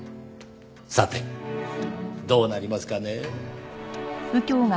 さてどうなりますかね？